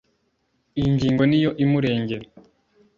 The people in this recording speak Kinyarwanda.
iyi ngingo niyo imurengera.